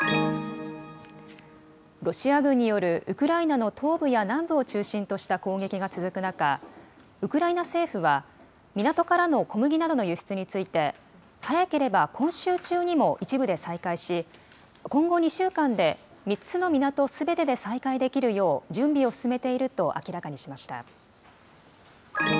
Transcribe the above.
ロシア軍によるウクライナの東部や南部を中心とした攻撃が続く中、ウクライナ政府は、港からの小麦などの輸出について、早ければ今週中にも一部で再開し、今後２週間で、３つの港すべてで再開できるよう準備を進めていると明らかにしました。